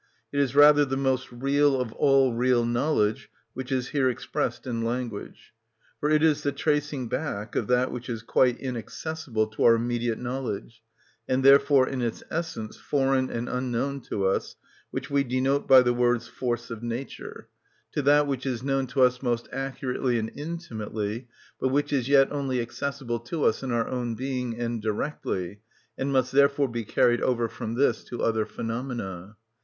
It is rather the most real of all real knowledge which is here expressed in language. For it is the tracing back of that which is quite inaccessible to our immediate knowledge, and therefore in its essence foreign and unknown to us, which we denote by the words force of nature, to that which is known to us most accurately and intimately, but which is yet only accessible to us in our own being and directly, and must therefore be carried over from this to other phenomena.